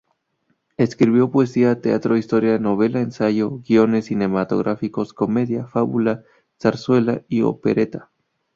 Escribió poesía, teatro, historia, novela, ensayo, guiones cinematográficos, comedia, fábula, zarzuela y opereta.